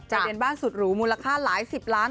ทะเบียนบ้านสุดหรูมูลค่าหลายสิบล้าน